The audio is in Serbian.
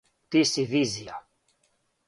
Ти си визија.